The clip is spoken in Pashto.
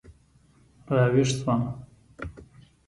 را ویښ شوم.